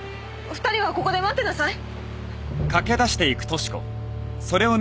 ２人はここで待ってなさい。